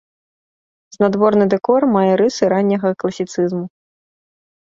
Знадворны дэкор мае рысы ранняга класіцызму.